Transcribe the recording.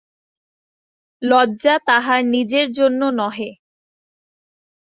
লজ্জা তাহার নিজের জন্য নহে।